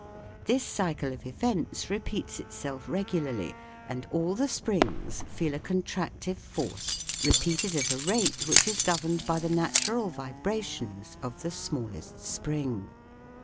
This cycle of events repeats itself regularly, and all the springs feel a contractive force repeated at a rate which is governed by the natural vibrations of the smallest spring.